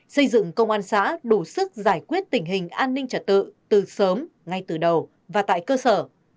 xây dựng công an xã đủ sức giải quyết tình hình an ninh trật tự từ sớm ngay từ đầu và tại cơ sở